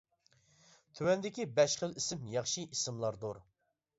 تۆۋەندىكى بەش خىل ئىسىم ياخشى ئىسىملاردۇر.